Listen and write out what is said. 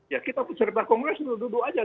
ya kita cerita kongres dulu dulu aja